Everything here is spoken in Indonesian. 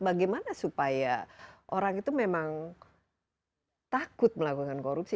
bagaimana supaya orang itu memang takut melakukan korupsi